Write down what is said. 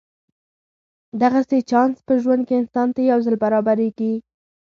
دغسې چانس په ژوند کې انسان ته یو ځل برابرېږي.